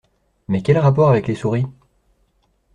Mais quel rapport avec les souris?